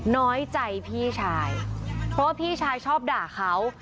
น้อยใจพี่ชายเพราะว่าพี่ชายชอบด่าเขา